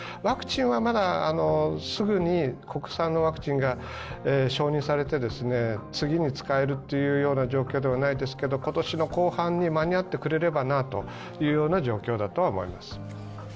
ワクチンはまだすぐに国産のワクチンが承認されて、次に使えるというような状況にはないですけど今年の後半に間に合ってくれればなという状況だとは思います。